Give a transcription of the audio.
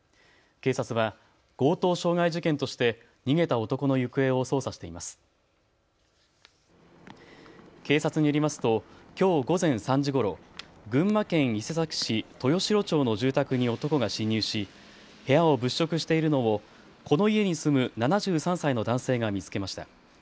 警察によりますときょう午前３時ごろ群馬県伊勢崎市豊城町の住宅に男が侵入し部屋を物色しているのをこの家に住む７３歳の男性が見つけました。